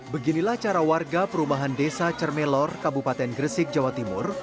beginilah cara warga perumahan desa cermelor kabupaten gresik jawa timur